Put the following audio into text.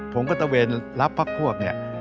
ผมก็ตะเวนรับพวกพวกเนี่ย